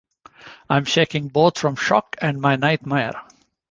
I'm shaking both from shock and my nightmare.